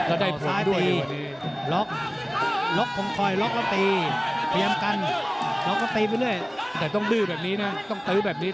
โอ้ซอกนี่ป๊อกแผลแตกเอาไว้เลยตอนนี้